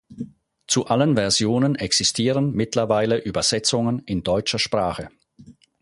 Zu allen Versionen existieren mittlerweile Übersetzungen in deutscher Sprache.